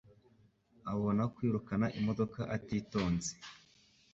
Abona kwirukana imodoka atitonze.